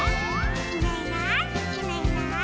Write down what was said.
「いないいないいないいない」